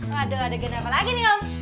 waduh ada ganda apa lagi nih kamu